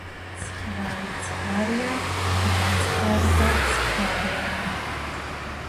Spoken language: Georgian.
ხვარი ცხვარია თუ გაცხარდა ცხარეა.